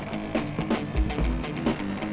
ikut saya tekan kondisi